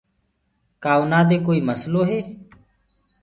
کآ اُنآ دي ڪوئي نسلو هي۔